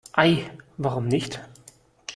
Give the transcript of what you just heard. Ei, warum nicht?